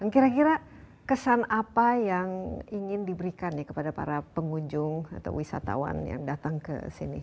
kira kira kesan apa yang ingin diberikan ya kepada para pengunjung atau wisatawan yang datang ke sini